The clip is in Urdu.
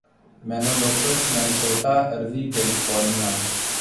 منینولوپس مینیسوٹا اروی کیلی_فورنیا